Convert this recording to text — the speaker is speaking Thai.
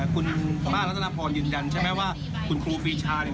เขาเป็นสุขท้าของเจ๊เกียว